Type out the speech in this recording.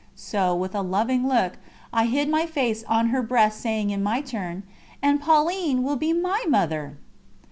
So, with a loving look, I hid my face on her breast saying in my turn: "And Pauline will be my Mother."